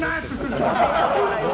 挑戦者の笑いを。